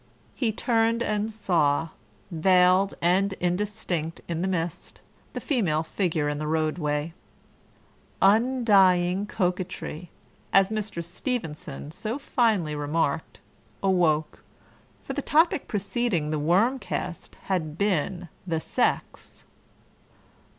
He turned and saw, veiled and indistinct in the mist, the female figure in the roadway. Undying coquetry, as Mr. Stevenson so finely remarked, awoke, for the topic preceding the worm cast had been "the sex".